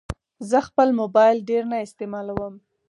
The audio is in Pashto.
زه خپل موبایل ډېر نه استعمالوم.